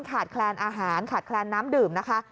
แคลนอาหารขาดแคลนน้ำดื่มนะคะ